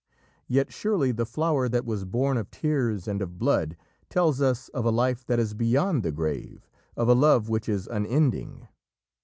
Yet surely the flower that was born of tears and of blood tells us of a life that is beyond the grave of a love which is unending.